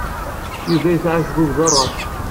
Yuba yesɛa acebbub d aras.